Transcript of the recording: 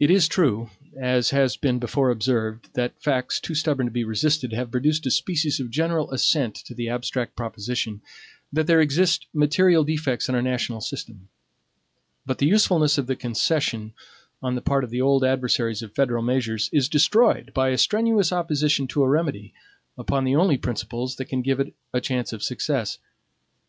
It is true, as has been before observed that facts, too stubborn to be resisted, have produced a species of general assent to the abstract proposition that there exist material defects in our national system; but the usefulness of the concession, on the part of the old adversaries of federal measures, is destroyed by a strenuous opposition to a remedy, upon the only principles that can give it a chance of success.